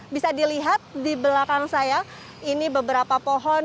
bisa dilihat di belakang saya ini beberapa pohon